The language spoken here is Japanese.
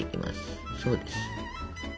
そうです。